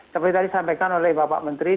seperti tadi sampaikan oleh bapak menteri